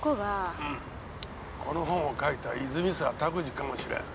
うんこの本を書いた泉沢卓司かもしれん。